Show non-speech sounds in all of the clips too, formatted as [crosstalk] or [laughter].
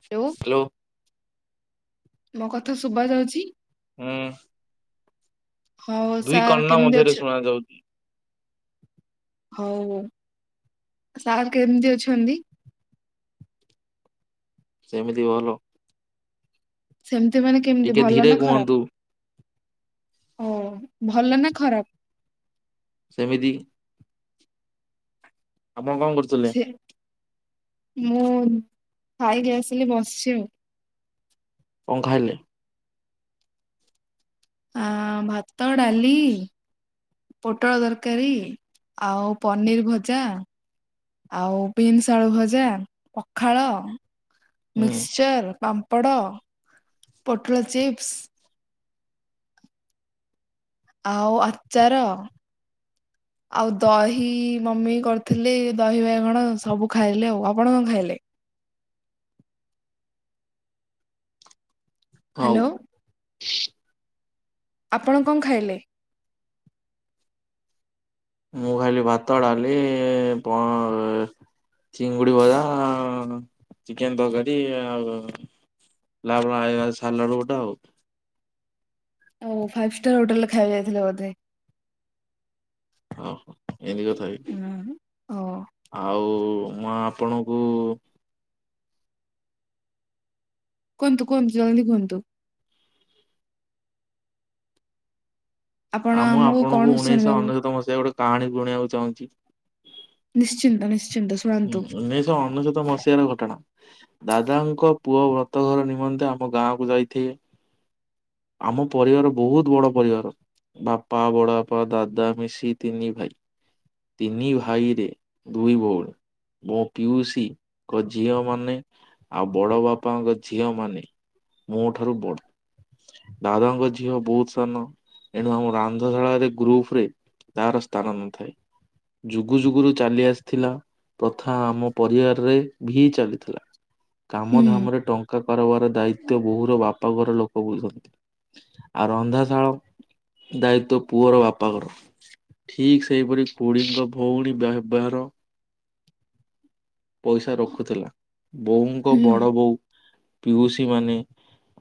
Hello ମୋ କଥା ଶୁବା ଯାଉଛି। ହୁଁ ହଉ ଦୁଇ ସାର୍ କର୍ଣ୍ଣ କେମିତି ଅଛ ମଧ୍ୟରେ ଶୁଣା ଯାଉଚି। ହଉ ସାର୍ କେମିତି ଅଛନ୍ତି? ସେମିତି ଭଲ। ସେମିତି ମାନେ କେମିତି ଟିକେ ଭଲ ଧୀରେ ନା କୁହନ୍ତୁ ଖରାପ ଓ ଭଲ ନା ଖରାପ। ସେମିତି ଆପଣ କଣ କରୁ ସେ ମୁଁ ଖାଇକି ଆସିଲି ବସିଛି ଆଉ। କଁ ଖାଇଲେ। ଆଁ ଭାତ ଡାଲି ପୋଟଳ ତରକାରୀ ଆଉ ପନିର ଭଜା ଆଉ ବିନ୍ସ ଆଳୁ ଭଜା ପଖାଳ ହୁଁ ମିକ୍ସଚର ପାମ୍ପଡ ପୋଟଳ ଚିପ୍ସ। ଆଉ ଆଚାର। ଆଉ ଦହି ମମି କରିଥିଲେ ଦହି ବାଇଗଣ ସବୁ ଖାଇଲେ ଆଉ ଆପଣ କଣ ଖାଇଲେ। ହୋଉ ହ୍ୟାଲୋ ଆପଣ କଣ ଖାଇଲେ? ମୁଁ ଖାଇଲି ଭାତ ଡାଲି ପ ଚିଙ୍ଗୁଡି ଭଜା। ଚିକେନ ତରକାରୀ [unintelligible] ସାଲାଡ ଗୋଟେ ଆଉ। ଆଉ ଫାଇଭ୍ ଷ୍ଟାର ହୋଟେଲ ରେ ଖାଇବାକୁ ଯାଇଥିଲେ ବୋଧେ। ହଁ ଏନ୍ତି କଥା କି। ଉଁହୁଁ ଓ। ଆଉ ମୁଁ ଆପଣଙ୍କୁ କୁହନ୍ତୁ କୁହନ୍ତୁ ଜଲଦି କୁହନ୍ତୁ। ଆପଣ ଆଉ ମୁଁ ଆମକୁ କଣ ଆପଣଙ୍କୁ ଉଣେଇଶହ ଶୁଣିବାକୁ ଅନେଶ୍ୱତ ମସିହା ଗୋଟେ କାହାଣୀ ଶୁଣେଇବାକୁ ଚାହୁଁଛି। ନିଶ୍ଚିନ୍ତ ନିଶ୍ଚିନ୍ତ ସୁ ହୁଁ ଉଣେଇଶ ଅନେଶ୍ୱତ ମସ ହାର ଘଟଣା ଦାଦାଙ୍କ ପୁଅ ବ୍ରତ ଘର ନିମନ୍ତେ ଆମ ଗାଁକୁ ଯାଇଥିଏ। ଆମ ପରିବାର ବୋହୁତ ବଡ଼ ପରିବାର ବାପା ବଡ଼ ବାପା ଦାଦା ମିଶିକି ତିନି ଭାଇ। ତିନି ଭାଇରେ ଦୁଇ ଭୋଉଣୀ। ମୋ ପିଉସୀଙ୍କ ଝିଅ ମାନେ ଆଉ ବଡ ବାପାଙ୍କ ଝିଅ ମାନେ। ମୋ ଠାରୁ ବଡ ଦାଦାଙ୍କ ଝିଅ ବୋହୁତ ସାନ। ଏଣୁ ଆମ ରନ୍ଧଶାଳାରେ ଗ୍ରୁପ ରେ ତାର ସ୍ଥାନ ନଥାଏ। ଯୁଗୁ ଯୁଗୁରୁ ଚାଲି ଆସିଥିଲା। ପ୍ରଥା ଆମ ପରିବାରରେ ଭି ଚାଲିଥିଲା କାମ ହୁଁ ଧାମ ରେ ଟ ଙ୍କା କାରବାର ଦାୟିତ୍ଵ ବୋଉର ବାପା ଘର ଲୋକ ବୁଝନ୍ତି। ଆଉ ରନ୍ଧାଶାଳ ଦାୟିତ୍ଵ ପୁଅର ବାପାଙ୍କର। ଠିକ ସେଇପରି ଖୁଡିୀଙ୍କ ଭୋଉଣୀ [unintelligible] ପଇସା ରଖୁଥୁଲା ବୋଉଙ୍କ ହୁଁ ବଡ ବୋଉ ପିଉସୀ ମାନେ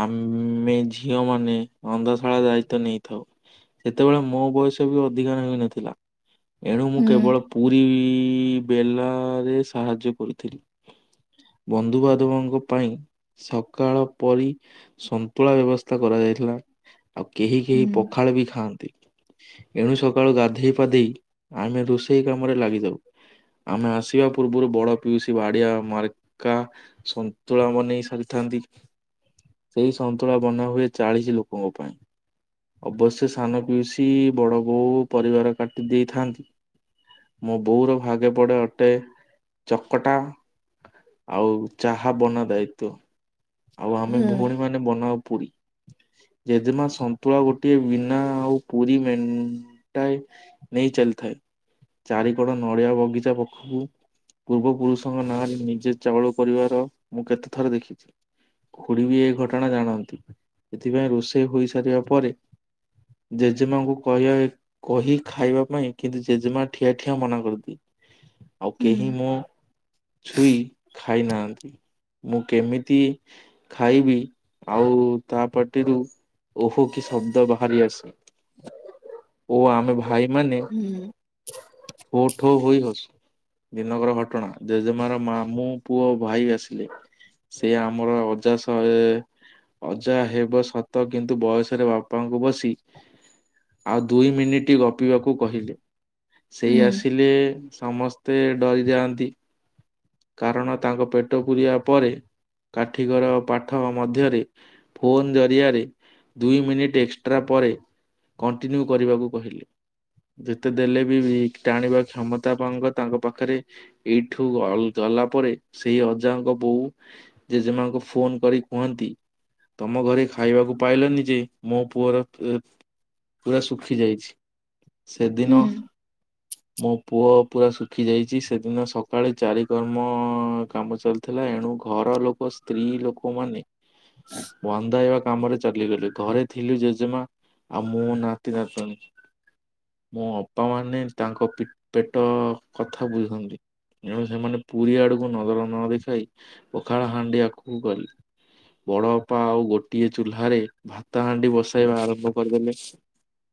ଆମେ ଝିଅ ମାନେ ରନ୍ଧାଶାଳା ଦାୟିତ ନେଇଥାଉ। ସେତେବେଳେ ମୋ ବୟସ ବି ଅଧିକା ହୋଇନଥିଲା। ଏଣୁ ମୁଁ ହୁଁ କେବଳ ପୁରୀ ବେଲାରେ ସାହାଯ୍ୟ କରିଥିଲି। ବନ୍ଧୁବାନ୍ଧବଙ୍କ ପାଇଁ ସକାଳ ପରି ସନ୍ତୁଳା ବ୍ୟବସ୍ଥା କରାଯାଇଥିଲା ଆଉ କେହି ହୁଁ କେହି ପଖାଳ ବି ଖାଆନ୍ତି। ଏଣୁ ସକାଳୁ ଗାଧେଇ ପାଧେଇ ଆମେ ରୋଷେଇ କାମରେ ଲାଗିଯାଉ। ଆମେ ଆସିବା ପ ପୂର୍ବରୁ ବଡ ପିଉସୀ ବାଡିଆ ମାର୍କା ସନ୍ତୁଳା ବନେଇ ସାରିଥାନ୍ତି। ସେଇ ସନ୍ତୁଳା ବନାହୁଏ ଚାଳିଶ ଲୋକଙ୍କ ପାଇଁ। ଅବଶ୍ୟ ସାନ ପିଉସିି ବଡ ବୋଉ ପରିବାରା କାଟି ଦେଇଥାନ୍ତି। ମୋ ବୋଉର ଭାଗେ ପଡ଼େ ଅଟେ ଚକଟା ଆଉ ଚାହା ବନା ଦାୟିତ୍ଵ। ଆଉ ଆମେ ହୁଁ ଭୋଉଣୀ ମାନେ ବନାଉ ପୁରୀ। ଜେଜେମା ସନ୍ତୁଳା ଗୋଟିଏ ବିନା ଆଉ ପୁରୀ ମେଣ୍ଟାଏ ନେଇ ଚାଲିଥାଏ ଚାରି କଣ ନଡିଆ ବଗିଚା ପାଖକୁ ପୂର୍ବ ପୁରୁଷଙ୍କ ନାଁରେ ନିଜେ ଚାଉଳ ପରିବାର ମୁଁ କେତେଥର ଦେଖିଛି। ଖୁଡିବି ଏ ଘଟଣା ଜାଣନ୍ତି ଏଥିପାଇଁ ରୋଷେଇ ହୋଇସାରିବା ପରେ ଜେଜେମାଙ୍କୁ କହିବା କହି ଖାଇବା ପାଇଁ କିନ୍ତୁ ଜେଜେମା ଠିଆ ଠିଆ ମନା କରନ୍ତି। ଆଉ ହୁଁ କେହି ମୋ ଛୁଇ ଖାଇ ନାହାନ୍ତି ମୁଁ କେମିତି ଖାଇବି ଆଉ ତା ପାଟିରୁ ଓହୋ କି ଶବ୍ଦ ବାହାରି ଆସେ ଓ ଆମେ ଭାଇ ମାନେ ହୁଁ ଠୋ ଠୋ ହୋଇ ହସୁ। ଦିନକର ଘଟଣା ଜେଜେମାର ମାମଁ ପୁଅ ଭାଇ ଆସିଲେ ସେ ଆ ଆମର ଅଜା ଶହେ ଅଜା ହେବ ସତ କିନ୍ତୁ ବୟସରେ ବାପାଙ୍କୁ ବସି ଆଉ ଦୁଇ ମିନିଟ୍ ଗପିବାକୁ କହିଲେ। ସେଇ ହୁଁ ଆସିଲେ ସମସ୍ତେ ଡରିଯାଆନ୍ତି। କାରଣ ତାଙ୍କ ପେଟ ପୂରିବା ପରେ କାଠିିକର ପାଠ ମଧ୍ୟରେ ଫୋନ୍ ଜରିଆରେ ଦୁଇ ମିନିଟ୍ ଏକ୍ସଟ୍ରା ପରେ କଣ୍ଟିନ୍ୟୁ କରିବାକୁ କହିଲେ। ଯେତେ ଦେଲେ ବି ଟାଣିବା କ୍ଷମତାପଙ୍କ ତାଙ୍କ ପାଖରେ ଏଇଠୁ ଅଲ ଗଲା ପରେ ସେଇ ଅଜାଙ୍କ ବୋଉ ଜେଜେମାଙ୍କୁ ଫୋନ କରି କୁହନ୍ତି। ତମ ଘରେ ଖାଇବାକୁ ପାଇଲାନିି ଯେ ମୋ ପୁଅର ପୁରା ଶୁଖି ଯାଇଛି। ସେଦିନ ହୁଁ ମୋ ପୁଅ ପୁରା ଶୁଖି ଯାଇଚି ସେଦିନ ସକାଳେ ଚାରି [unintelligible] କର୍ମ କାମ ଚାଲିଥିଲା ଏଣୁ ଘର ଲୋକ ସ୍ତ୍ରୀ ଲୋକମାନେ ବନ୍ଧାଇବା କାମ ରେ ଚାଲିଗଲେ ଘରେ ଥିଲେ ଜେଜେମା। ଆଉ ମୋ ନାତି ନାତୁନ ମୋ ଅପା ମାନେ ତାଙ୍କ ପି ପେଟ କଥା ବୁଝନ୍ତି। ଏଣୁ ସେମାନେ ପୁରୀ ଆଡକୁ ନଜର ନ ଦେଖାଇ ପଖାଳ ହାଣ୍ଡି ଆଗକୁ ଗଲେ। ବଡଅପା ଆଉ ଗୋଟିଏ ଚୁଲ୍ଲାରେ ଭାତ ହାଣ୍ଡି ବସା ଇବା ଆରମ୍ଭ କରିଦେଲେ।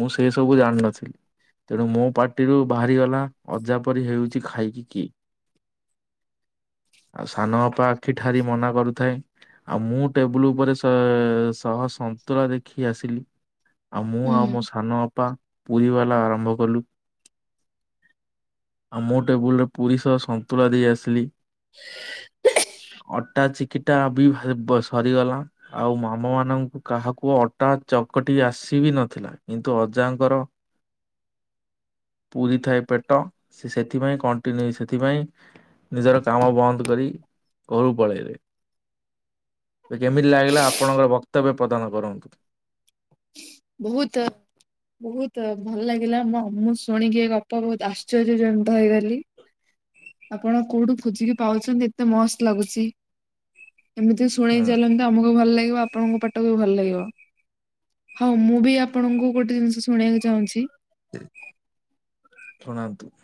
ମୁଁ ସେ ସବୁ ଜାଣିନଥିଲି। ତେଣୁ ମୋ ପାଟିରୁୁ ବାହାରିଗଲା ଅଜାପରି ହେଉଚି ଖାଇକି କି। ଆଉ ସାନ ଅପା ଆଖି ଠାରି ମନା କରୁଥାଏ ଆଉ ମୁଁ ଟେବୁଲ ଉପରେସେ ସ ସହ ସନ୍ତୁଳା ଦେଖି ଆସିଲି ଆଉ ମୁଁ ଆଉ ହୁଁ ମୋ ସାନ ଅ ପା ପୁରୀ ବାଲା ଆରମ୍ଭ କଲୁ ଆଉ ମୋ ଟେବୁଲ ରେ ପୁରୀ ସଅ ସ ନ୍ତୁଳା ଦେଇ ଆସିଲି। [inaudible] ଅଟା ଚିକିଟା ବି ହେ ସରିଗଲା। ଆଉ ମାମୁଁ ମାନଙ୍କୁ କାହାକୁ ଅଟା ଚକଟି ଆସିବି ନଥିଲା କିନ୍ତୁ ଅଜାଙ୍କର ପୁରି ଥାଏ ପେଟ ସେ ସେଥିପାଇଁ କଣଟିକେ ସେଥିପାଇଁ ନିଜର କାମ ବନ୍ଦ କରି ଘରୁ ପଳେଇବେ। କେମିତି ଲାଗିଲା ଆପଣଙ୍କର ବକ୍ତବ୍ୟ ପ୍ରଦାନ କରନ୍ତୁ। ବୋହୁତ ବୋହୁତ ଭଲ ଲାଗିଲା ମୁଁ ଶୁଣିକି ଏ ବୋହୁତ ଆଶ୍ଚର୍ଯ୍ୟ ଜନିତ ହେଇଗଲି। ଆପଣ କୋଉଠୁ ଖୋଜିକି ପାଉଚନ୍ତି ଏତେ ମସ୍ତ ଲାଗୁଚି ଏମିତି ଶୁଣେଇ ହୁଁ ଚାଲନ୍ତୁ ଆମକୁ ଭଲ ଲାଗିବ ଆପଣଙ୍କ ପାଟକୁ ବି ଭଲ ଲାଗିବ। ହଁ ମୁଁ ବି ଆପଣଙ୍କୁ ଗୋଟେ ଜିନିଷ ଶୁଣେଇବାକୁ ଚାହୁଁଚି? ଶୁଣାନ୍ତୁ।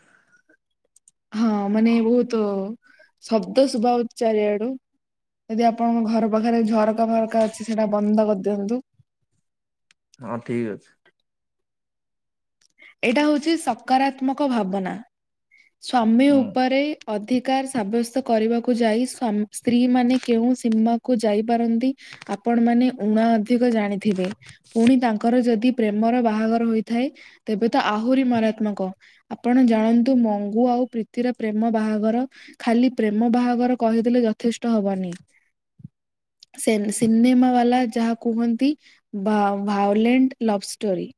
ହଁ ମାନେ ବୋହୁତୁ ଶବ୍ଦ ଶୁଭାଉଚି ଚାରିଆଡୁ। ଯଦି ଆପଣଙ୍କ ଘର ପାଖରେ ଝରକା ଫରକା ଅଛି ସେଟା ବନ୍ଦ କରିଦିଅନ୍ତୁ। ହଁ ଠିକ୍ ଅଛି। ଏଇଟା ହୋଉଚି ସକାରାତ୍ମକ ଭାବନା ସ୍ଵାମୀ ଉପରେ ଅଧିକାର ସାବ୍ୟସ୍ତ କରିବାକୁ ଯାଇ ସ୍ତ୍ରୀମାନେ କେଉଁ ସୀମାକୁ ଯାଇପାରନ୍ତି ଆପଣମାନେ ଊଣା ଅଧିକ ଜାଣିଥିବେ ପୁଣି ତାଙ୍କର ଯଦି ପ୍ରେମର ବାହାଘର ହୋଇଥାଏ ତେବେ ତ ଆହୁରି ମାରାତ୍ମକ ଆପଣ ଜାଣନ୍ତୁ ଗୁ ଆଉ ପ୍ରୀତିର ପ୍ରେମ ବାହାଘର ଖାଲି ପ୍ରେମ ବାହାଘର କହିଦେଲେ ଯଥେଷ୍ଟ ହବନି। ସେ ସିନେମାବାଲା ଯାହା କୁହନ୍ତି ଭା ଭାଉଲେଣ୍ଟ୍ ଲଭ ଷ୍ଟୋରି।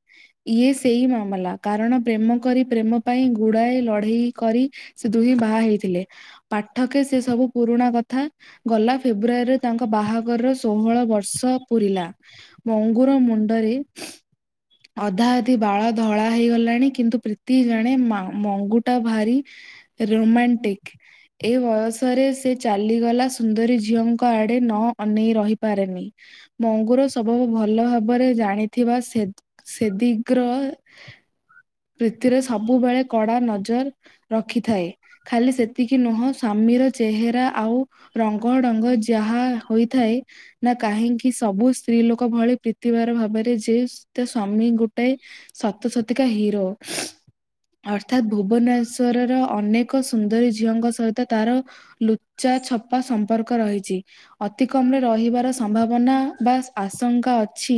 ଇଏ ସେଇ ମାମଲା କାରଣ ପ୍ରେମ କରି ପ୍ରେମ ପାଇଁ ଗୁଡ଼ାଏ ଲଢେ଼ଇ କରି ସେ ଦୁହିଁ ବାହା ହେଇଥିଲେ ପାଠକେ ସେ ସବୁ ପୁରୁଣା କଥା ଗଲା ଫେବୃଆରୀରେ ତାଙ୍କ ବାହାଘରର ଷୋହଳ ବର୍ଷ ପୁରିଲା। ମଙ୍ଗୁର ମୁଣ୍ଡରେ ଅଧା ଅଧି ବାଳ ଧଳା ହେଇଗଲାଣି କିନ୍ତୁ ପ୍ରୀତି ଜଣେ ମା ମଙ୍ଗୁଟା ଭାରି ରୋମାଣ୍ଟିକ୍। ଏ ବୟସରେ ସେ ଚାଲିଗଲା ସୁନ୍ଦରୀ ଝିଅଙ୍କ ଆଡ଼େ ନ ଅନେଇ ରହିପାରେନି। ମଙ୍ଗୁର ସବୁ ଭଲ ଭାବରେ ଜାଣିଥିବା ସେ ସେଦିଗ୍ର ପ୍ରିତୀ ର ସବୁବେଳେ କଡ଼ା ନଜର ରଖିଥାଏ ଖାଲି ସେତିକି ନୁହଁ ସ୍ଵାମୀର ଚେହେରା ଆଉ ରଙ୍ଗଢ଼ଙ୍ଗ ଯାହା ହୋଇଥାଏ ନା କାହିଁକି ସବୁ ସ୍ତ୍ରୀ ଲୋକ ଭଳି ପ୍ରୀତିବାର ଭାବରେ ଯେ ତା ସ୍ଵାମୀ ଗୋଟେଏ ସତ ସତିକା ହିରୋ ଅର୍ଥାତ୍ ଭୁବନେ ଭୁବନେଶ୍ୱରର ଅନେକ ସୁନ୍ଦରୀ ଝିଅଙ୍କ ସହିତ ତାର ଲୁଚା ଛପା ସ ସମ୍ପର୍କ ରହିଛି ଅତି କମ୍ ରେ ରହିବାର ସମ୍ଭାବନା ବା ଆଶଙ୍କା ଅଛି।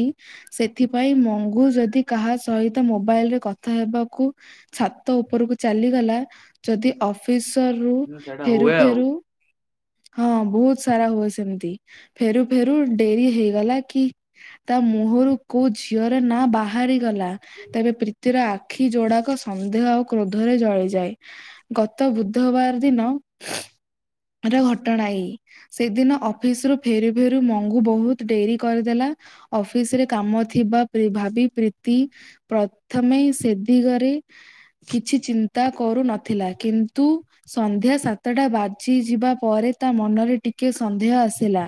ସେଥିପାଇଁ ମଙ୍ଗୁ ଯଦି କାହା ସହିତ ମୋବାଇଲରେ କଥା ହେବାକୁ ଛାତ ଉପରକୁ ଚାଲିଗଲା ଯଦି ଅଫିସ ର ରୁ ହୁଁ ସେଇଟା ଫେରୁ ହୁଏ ଆଉ ଫେରୁ ହଁ ବହୁତ୍ ସାରା ହୁଏ ସେମିତି। ଫେରୁ ଫେରୁ ଡ଼େରି ହେଇଗଲା କି ତା ମୁହଁରୁ କୋଉ ଝିଅର ନାଁ ବାହାରିଗଲା ତେବେ ପ୍ରୀତିର ଆଖି ଯୋଡ଼ାକ ସନ୍ଦେହ ଆଉ କ୍ରୋଧରେ ଜଳି ଯାଏ ଗତ ବୁଧବାର ଦିନ ର ଘଟଣା ଏଇ। ସେଦିନ ଅଫିସ୍ ରୁ ଫେରୁ ଫେରୁ ମଙ୍ଗୁ ବହୁତ୍ ଡ଼େରି କରିଦେଲା। ଅଫିସ୍ ରେ କାମ ଥିବା ଭାବି ପ୍ରୀତି ପ୍ରଥମେ ସେ ଦିଗରେ କିଛି ଚି ଚିନ୍ତା କରୁନଥିଲା କିନ୍ତୁ ସନ୍ଧ୍ୟା ସାତଟା ବାଜିଯିବା ପରେ ତା ମନରେ ଟିକେ ସନ୍ଦେହ ଆସିଲା।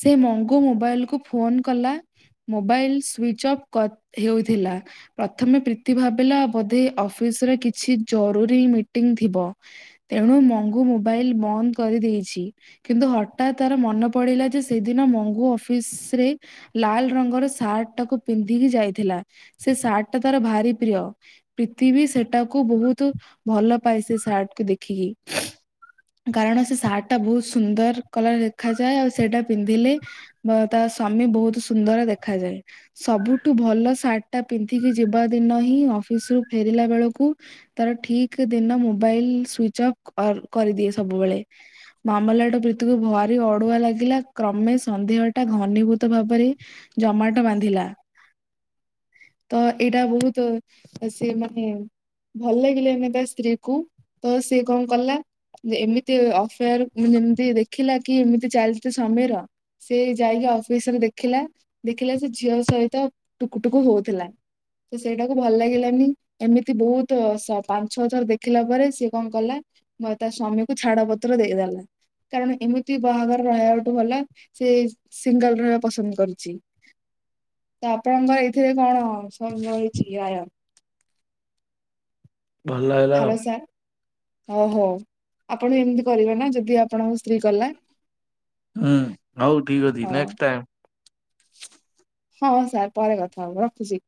ସେ ମଙ୍ଗୁ ମୋବାଇଲ କୁ ଫୋନ କଲା। ମୋବାଇଲ ସୁଇଚ ଅଫ୍ କ ହେଉଥିଲା। ପ୍ରଥମେ ପ୍ରୀତି ଭାବିଲା ବୋଧେ ଅଫିସ୍ ରେ କିଛି ଜରୁରୀ ମିଟିଂ ଥିବ। ତେଣୁ ମଙ୍ଗୁ ମୋବାଇଲ୍ ବନ୍ଦ କରିଦେଇଛି କିନ୍ତୁ ହଠାତ୍ ତାର ମନେ ପଡିଲା। ଯେ ସେଦିନ ମଙ୍ଗୁ ଅଫିସ୍ ରେ ଲାଲ ରଙ୍ଗର ସାର୍ଟ ଟାକୁ ପିନ୍ଧିକି ଯାଇଥିଲା। ସେ ସାର୍ଟ ଟା ତାର ଭାରି ପ୍ରିୟ। ପ୍ରୀତି ବି ସେଟାକୁ ବହୁତ୍ ଭଲ ପାଏ‌ ସେ ସାର୍ଟକୁ ଦେଖିକି। କାରଣ ସେ ସାର୍ଟ ଟା ବହୁତ୍ ସୁନ୍ଦର କଲର ଦେଖାଯାଏ ଆଉ ସେଇଟା ପିନ୍ଧିଲେ ବା ତା ସ୍ଵାମୀ ବହୁତ୍ ସୁନ୍ଦର ଦେଖାଯାଏ। ସବୁଠୁ ଭଲ ସାର୍ଟ ଟା ପିନ୍ଧିକି ଯିବା ଦିନ ହିଁ ଅଫିସ୍ ରୁ ଫେରିଲା ବେଳକୁ ତାର ଠିକ୍ ଦିନ ମୋବାଇଲ ସୁଇଚ ଅଫ୍। ଅ କରିଦିଏ ସବୁବେଳେ ମାମଲାଟା ପ୍ରୀତିକୁ ଭାରି ଅଡ଼ୁଆ ଲାଗିଲା। କ୍ରମେ ସନ୍ଧେହ ଟା ଘନୀଭୂତ ଭାବରେ ଜମାଟୋ ବାନ୍ଧିଲା। ତ ଏଇଟା ବହୁତ୍ ସେ ମାନେ ଭଲ ଲାଗିଲାନି ତା ସ୍ତ୍ରୀ କୁ ତ ସେ କଣ କଲା ଏମିତି ଅ ଯେମିତି ଦେଖିଲା କି ଏମିତି ଚାଲିଛି [unintelligible] ସେ ଯାଇକି ଅଫିସରେ ଦେଖିଲା ଦେଖିଲା ସେ ଝିଅ ସହିତ ଟୁକୁଟୁକୁ ହଉଥିଲା। ସେଇଟାକୁ ଭଲ ଲାଗିଲାନି। ଏମିତି ବହୁତ ସ ପାଞ୍ଚ ଛଅ ଥର ଦେଖିଲା ପରେ ସିଏ କଣ କଲା ତା ସ୍ଵାମୀ କୁ ଛାଡ ପତ୍ର ଦେଇଦେଲା କାରଣ ଏମିତି ବାହାଘର ରହିବା ଭଲା ସେ ସିଙ୍ଗଲ ରହିବା ପସନ୍ଦ କରୁଛି। ତ ଆପଣଙ୍କ ଏଇଥିରେ କଣ ସବୁ ରହିଛି ଆୟ? ଭଲ ହେଲା ଆଉ। ହ୍ୟାଲୋ ସାର୍ ଓହୋ ଆପଣ ଏମିତି କରିବେ ନା ଯଦି ଆପଣଙ୍କ ସ୍ତ୍ରୀ କଲା? ହୁଁ ହଉ ଠିକ୍ ଅଛି ହଁ ନେକ୍ସଟ ଟାଇମ୍। ହଁ ସାର୍ ପରେ କଥା ହବ ରଖୁଛି।